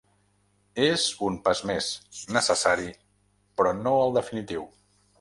És un pas més, necessari, però no el definitiu.